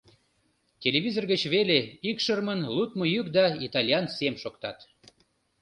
Телевизор гыч веле икшырымын лудмо йӱк да итальян сем шоктат.